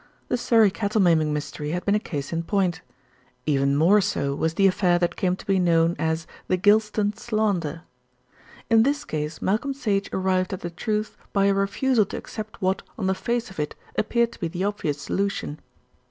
The Surrey cattle maiming mystery had been a case in point. Even more so was the affair that came to be known as "The Gylston Slander." In this case Malcolm Sage arrived at the truth by a refusal to accept what, on the face of it, appeared to be the obvious solution.